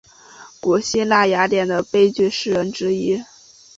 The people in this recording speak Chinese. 古希腊雅典的悲剧诗人之一。